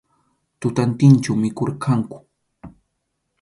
Tutantinchu mikhurqanku.